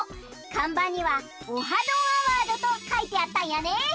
かんばんには「オハ！どんアワード」とかいてあったんやね。